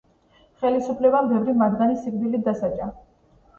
ხელისუფლებამ ბევრი მათგანი სიკვდილით დასაჯა.